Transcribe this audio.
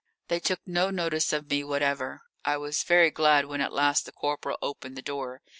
They took no notice of me whatever. I was very glad when at last the corporal opened the door.